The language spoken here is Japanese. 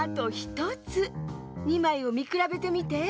２まいをみくらべてみて。